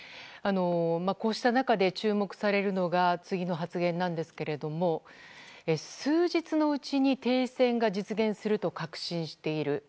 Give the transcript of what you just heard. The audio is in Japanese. こうした中で注目されるのが次の発言なんですが数日のうちに停戦が実現すると確信している。